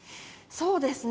そうですね。